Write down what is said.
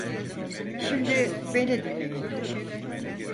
Şimdi beni dinleyin.